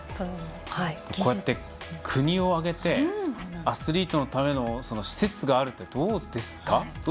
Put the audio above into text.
こうやって国を挙げてアスリートのための施設があるって、どうですか？